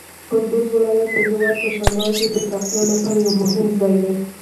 کندز ولایت د هېواد په شمال کې د پراختیا لپاره یو مهم ځای دی.